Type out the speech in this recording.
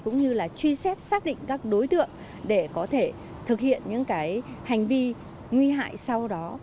cũng như là truy xét xác định các đối tượng để có thể thực hiện những hành vi nguy hại sau đó